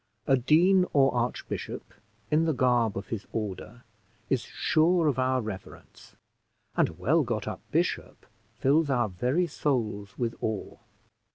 A dean or archbishop, in the garb of his order, is sure of our reverence, and a well got up bishop fills our very souls with awe.